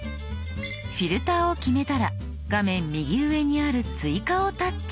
フィルターを決めたら画面右上にある「追加」をタッチ。